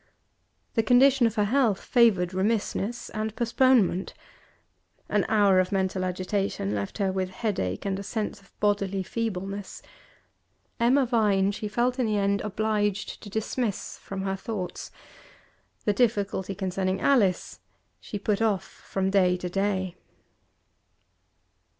The condition of her health favoured remissness and postponement. An hour of mental agitation left her with headache and a sense of bodily feebleness. Emma Vine she felt in the end obliged to dismiss from her thoughts; the difficulty concerning Alice she put off from day to day.